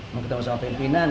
mau ketemu sama pimpinan